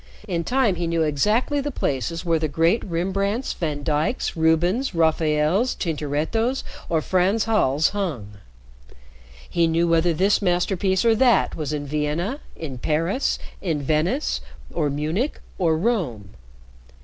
In time, he knew exactly the places where the great Rembrandts, Vandykes, Rubens, Raphaels, Tintorettos, or Frans Hals hung; he knew whether this masterpiece or that was in Vienna, in Paris, in Venice, or Munich, or Rome.